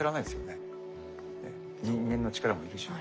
ねっ人間の力も要るし。